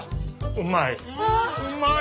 うまい！